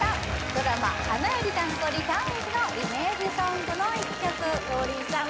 ドラマ「花より男子２」のイメージソングの１曲王林さん